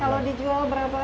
kalau dijual berapa